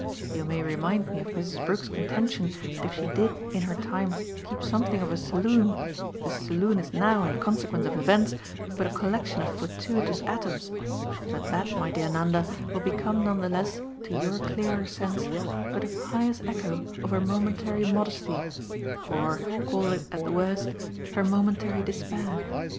You may remind me of Mrs. Brook's contention that if she did in her time keep something of a saloon the saloon is now, in consequence of events, but a collection of fortuitous atoms; but that, my dear Nanda, will become none the less, to your clearer sense, but a pious echo of her momentary modesty or call it at the worst her momentary despair.